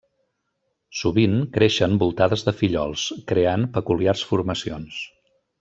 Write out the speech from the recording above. Sovint creixen voltades de fillols, creant peculiars formacions.